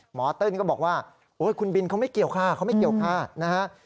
เติ้ลก็บอกว่าโอ๊ยคุณบินเขาไม่เกี่ยวค่ะเขาไม่เกี่ยวค่ะนะฮะ